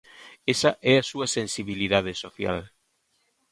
Esa é a súa sensibilidade social.